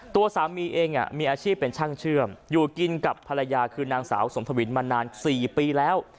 ตัวสามีเองมีอาชีพเป็นช่างเชื่อมอยู่กินกับภรรยาคือนางสาวสมทวินมานาน๔ปีแล้ว